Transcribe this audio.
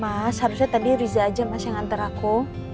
mas harusnya tadi riza aja mas yang nganter aku